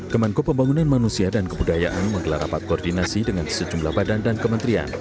kemenko pembangunan manusia dan kebudayaan menggelar rapat koordinasi dengan sejumlah badan dan kementerian